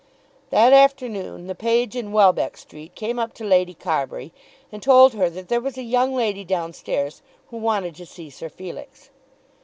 That afternoon the page in Welbeck Street came up to Lady Carbury and told her that there was a young lady down stairs who wanted to see Sir Felix.